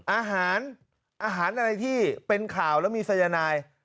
อาหารอาหารอะไรที่เป็นข่าวแล้วมีสายนาย